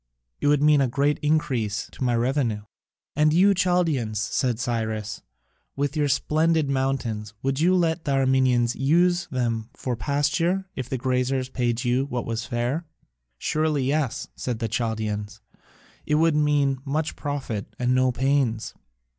It would mean a great increase to my revenue." "And you, Chaldaeans," said Cyrus, "with your splendid mountains, would you let the Armenians use them for pasture if the graziers paid you what was fair?" "Surely yes," said the Chaldaeans, "it would mean much profit and no pains."